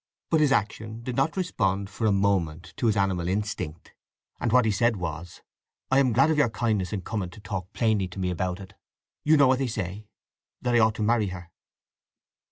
But his action did not respond for a moment to his animal instinct; and what he said was, "I am glad of your kindness in coming to talk plainly to me about it. You know what they say?—that I ought to marry her."